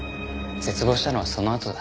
絶望したのはそのあとだ。